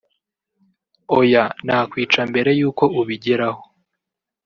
oya nakwica mbere y’uko ubigeraho